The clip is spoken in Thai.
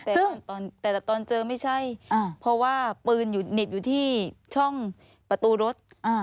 แต่ตอนเจอไม่ใช่เพราะว่าปืนเหน็บอยู่ที่ช่องประตูรถ